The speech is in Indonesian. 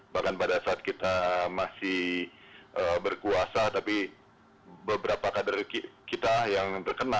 bahkan pada saat kita masih berkuasa tapi beberapa kader kita yang terkena